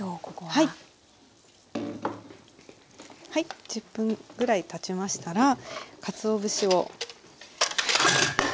はい１０分ぐらいたちましたらかつお節を２ｇ